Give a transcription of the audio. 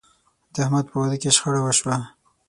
د احمد په واده کې شخړه وشوه.